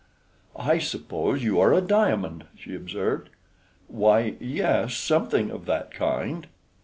"I suppose you are a diamond?" she observed. "Why, yes, something of that kind."